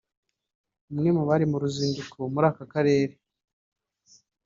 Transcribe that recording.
umwe mu bari mu ruzinduko muri aka karere